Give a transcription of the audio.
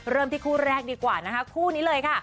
เริ่มที่คู่แรกดีกว่านะคะคู่นี้เลยค่ะ